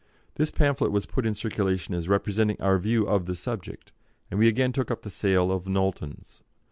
This pamphlet was put in circulation as representing our view of the subject, and we again took up the sale of Knowlton's.